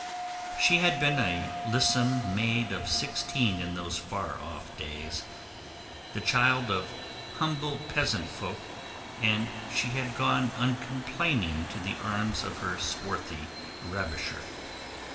She had been a lissom maid of sixteen in those far off days, the child of humble peasant folk, and she had gone uncomplaining to the arms of her swarthy ravisher.